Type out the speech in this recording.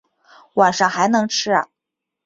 晚上还能吃啊